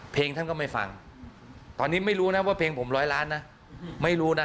เพลงท่านก็ไม่ฟังตอนนี้ไม่รู้นะว่าเพลงผมร้อยล้านนะไม่รู้นะ